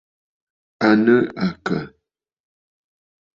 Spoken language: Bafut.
À nɨ̂ àkə̀?